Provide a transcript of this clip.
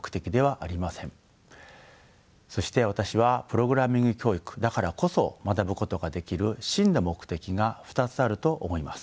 そして私はプログラミング教育だからこそ学ぶことができる真の目的が２つあると思います。